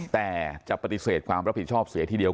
แต่จะปฏิเสธความรับผิดชอบเสียทีเดียว